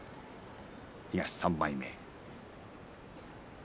東３枚目。